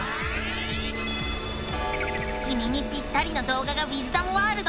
きみにぴったりの動画がウィズダムワールドにあらわれた！